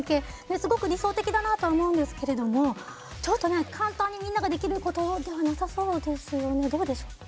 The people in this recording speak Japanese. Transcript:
すごく理想的だなとは思うんですけれども簡単にみんなができることじゃなさそうですよね。